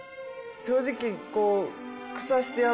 正直こう。